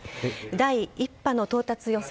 第１波の到達予想